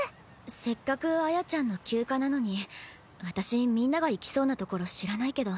せっかく亜耶ちゃんの休暇なのに私みんなが行きそうな所知らないけど。